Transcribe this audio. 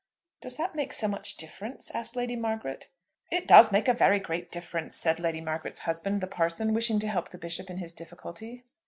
"Does that make so much difference?" asked Lady Margaret. "It does make a very great difference," said Lady Margaret's husband, the parson, wishing to help the Bishop in his difficulty.